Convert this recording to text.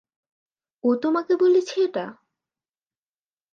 ও তোমাকে বলেছে এটা?